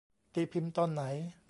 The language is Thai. ตีพิมพ์ตอนไหน